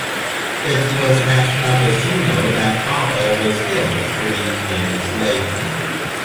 It was at Nagashino that Baba was killed, three years later.